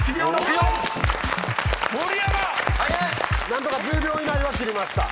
何とか１０秒以内は切りました。